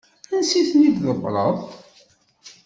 Ansi i ten-id-tḍebbreḍ?